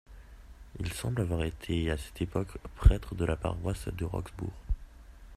Il semble avoir été à cette époque prêtre de la paroisse de Roxburgh.